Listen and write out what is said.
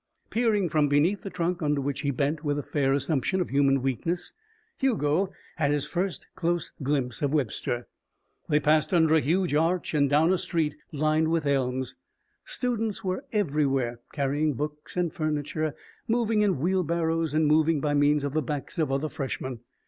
Peering from beneath the trunk under which he bent with a fair assumption of human weakness, Hugo had his first close glimpse of Webster. They passed under a huge arch and down a street lined with elms. Students were everywhere, carrying books and furniture, moving in wheelbarrows and moving by means of the backs of other freshmen.